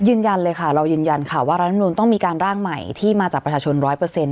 ยืนยันเลยค่ะเรายืนยันค่ะว่ารัฐมนุนต้องมีการร่างใหม่ที่มาจากประชาชนร้อยเปอร์เซ็น